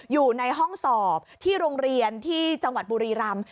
อยู่ในห้องสอบที่โรงเรียนที่จังหวัดบุรีรำ